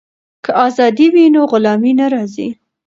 که ازادي وي نو غلامي نه راځي.